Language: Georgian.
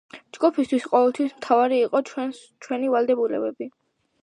ჯგუფისთვის ყოველთვის მთავარი იყო ჩვენი ვალდებულებები.